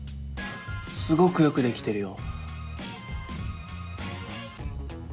すごくよくできてるよ